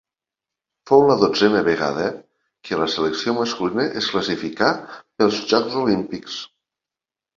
Fou la dotzena vegada que la selecció masculina es classificà pels Jocs Olímpics.